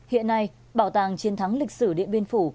hiện nay bảo tàng chiến thắng lịch sử điện biên phủ